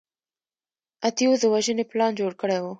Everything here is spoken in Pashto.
اتیوس د وژنې پلان جوړ کړی و.